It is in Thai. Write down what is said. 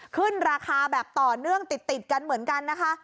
ขึ้นราคาแบบต่อเนื่องติดกันเหมือนกันนะคะ